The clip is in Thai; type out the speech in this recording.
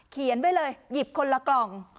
เขียนไว้เลยหยิบคนละกล่อง